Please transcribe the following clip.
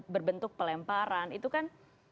berbentuk pelemparan itu kan